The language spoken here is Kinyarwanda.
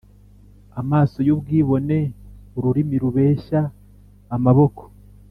Amaso y ubwibone ururimi rubeshya Amaboko